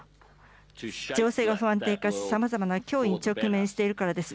情勢が不安定化し、さまざまな脅威に直面しているからです。